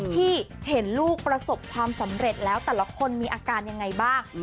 ที่เห็นลูกประสบความสำเร็จแล้วแต่ละคนมีอาการยังไงบ้าง